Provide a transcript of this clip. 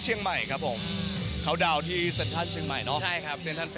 เชียงใหม่ครับผมเขาดาวที่เชียงใหม่เนอะใช่ครับ